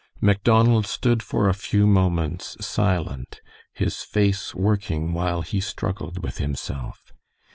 Macdonald stood for a few moments silent, his face working while he struggled with himself.